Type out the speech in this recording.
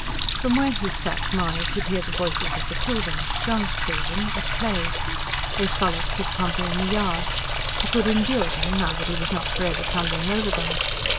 From where he sat Mahony could hear the voices of the children John's children at play. They frolicked with Pompey in the yard. He could endure them, now that he was not for ever tumbling over them.